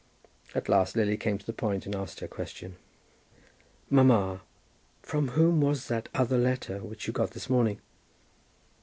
At last Lily came to the point and asked her question. "Mamma, from whom was that other letter which you got this morning?"